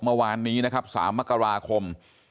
เมื่อวานนี้นะครับ๓มกราคม